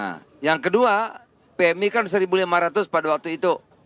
nah yang kedua pmi kan seribu lima ratus pada waktu itu